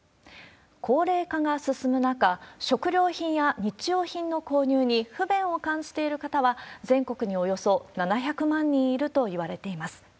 高齢化が進む中、食料品や日用品の購入に不便を感じている方は、全国におよそ７００万人いるといわれています。